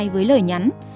với lời nhắn